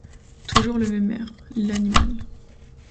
Toujours le même air, l’animal!